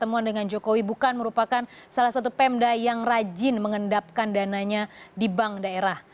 pertemuan dengan jokowi bukan merupakan salah satu pemda yang rajin mengendapkan dananya di bank daerah